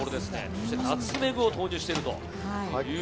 そしてナツメグを投入していると。